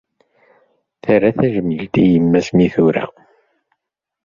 Terra tajmilt i yemma-s mi tura